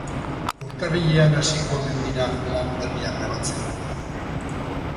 Urtarrilean hasiko omen dira lan berria grabatzen.